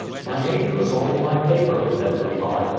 "My age was all in my favour," Ned replied.